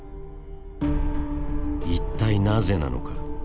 一体なぜなのか？